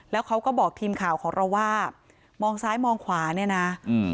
แล้วเขาก็บอกทีมข่าวของเราว่ามองซ้ายมองขวาเนี่ยนะอืม